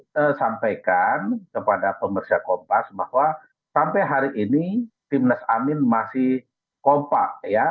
saya sampaikan kepada pemerintah kompas bahwa sampai hari ini timnas amin masih kompak ya